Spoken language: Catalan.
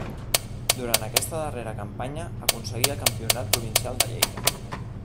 Durant aquesta darrera campanya aconseguí el campionat provincial de Lleida.